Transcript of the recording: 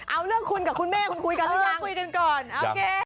เอาเรื่องคุณกับคุณแม่คุยกันหรือยัง